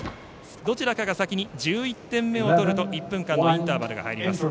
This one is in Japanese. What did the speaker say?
どちらかが先に１１点目を取ると１分間のインターバルが入ります。